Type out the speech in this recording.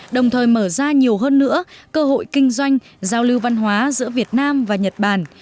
đồng thời mở ra nhiều hơn nữa cơ hội kinh doanh giao lưu văn hóa giữa việt nam và nhật bản